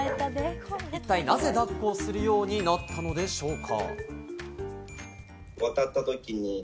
一体なぜ抱っこをするようになったのでしょうか？